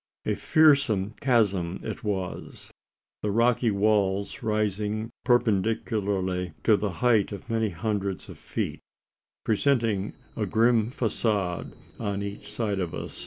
A fearful chasm it was the rocky walls rising perpendicularly to the height of many hundreds of feet presenting a grim facade on each side of us.